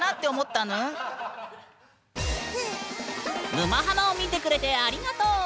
「沼ハマ」を見てくれてありがとう！